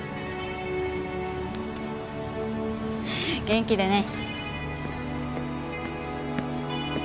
元気でね。